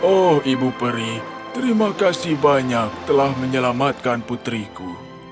oh ibu peri terima kasih banyak telah menyelamatkan putriku